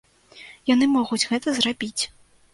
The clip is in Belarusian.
Яны могуць гэта зрабіць.